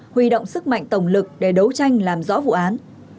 huy động sức mạnh tổng lực để đấu tranh làm rõ vụ án